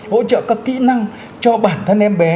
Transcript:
hỗ trợ các kỹ năng cho bản thân em bé